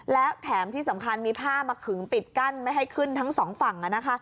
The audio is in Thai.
แล้วแถมที่สำคัญมีผ้ามาขึงปิดกั้นไม่ให้ขึ้นทั้งสองฝั่ง